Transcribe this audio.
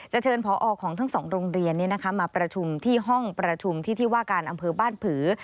เชิญพอของทั้งสองโรงเรียนมาประชุมที่ห้องประชุมที่ที่ว่าการอำเภอบ้านผือ